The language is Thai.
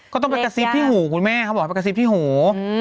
ก็ต้องไปกระซิบที่หูคุณแม่เขาบอกให้กระซิบที่หู